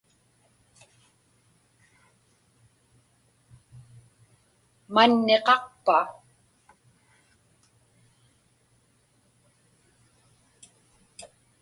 Manniqaqpa?